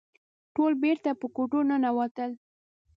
ټول بېرته په کوټو ننوتل.